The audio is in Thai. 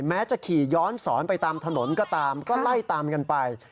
แม้จะขี่ย้อนสอนไปตามถนนก็ตามก็ไล่ตามกันไป